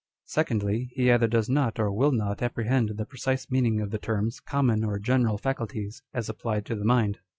Secondly, he either does not or will not apprehend the precise meaning of the terms com mon or general faculties, as applied to the mind.